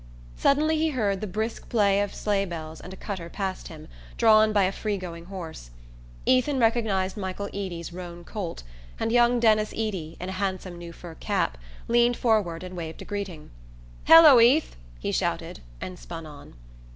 Suddenly he heard the brisk play of sleigh bells and a cutter passed him, drawn by a free going horse. Ethan recognised Michael Eady's roan colt, and young Denis Eady, in a handsome new fur cap, leaned forward and waved a greeting. "Hello, Ethe!" he shouted and spun on.